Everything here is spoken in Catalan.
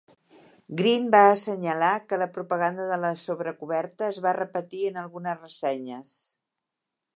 Green va assenyalar que la propaganda de la sobrecoberta es va repetir en algunes ressenyes.